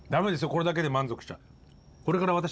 これだけで満足しちゃ。